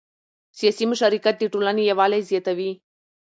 سیاسي مشارکت د ټولنې یووالی زیاتوي